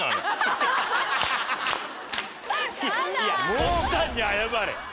奥さんに謝れ！